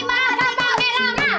gak mau habis lama